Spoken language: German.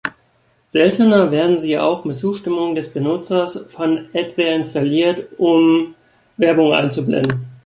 Seltener werden sie auch mit Zustimmung des Benutzers von Adware installiert, um Werbung einzublenden.